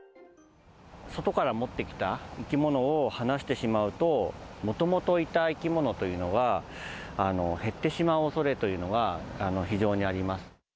外から持ってきた生き物を放してしまうと、もともといた生き物というのが減ってしまうおそれというのが非常にあります。